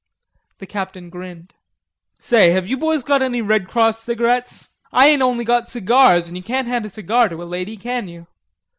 The Captain grinned. "Say, have you boys got any Red Cross cigarettes? I ain't only got cigars, an' you can't hand a cigar to a lady, can you?"